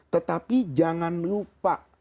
tetapi jangan lupa